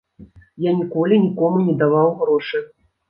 Я ніколі нікому не даваў грошы.